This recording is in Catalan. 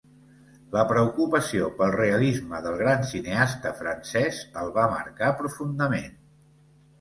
La preocupació pel realisme del gran cineasta francès el va marcar profundament.